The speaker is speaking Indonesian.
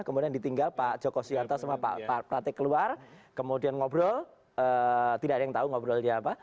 kemudian ditinggal pak joko sianto sama pak pratik keluar kemudian ngobrol tidak ada yang tahu ngobrol dia apa